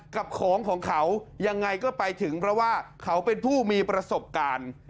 กับของของเขายังไงก็ไปถึงเพราะว่าเขาเป็นผู้มีประสบการณ์